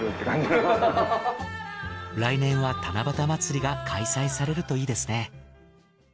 来年は七夕まつりが開催されるといいですね。